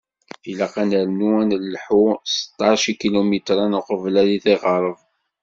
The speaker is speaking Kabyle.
Ilaq ad nernu ad nelḥu seṭṭac ikilumitren uqbel ad tɣerreb.